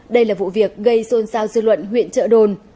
đây là vụ việc gây xôn xao dư luận huyện trợ đồn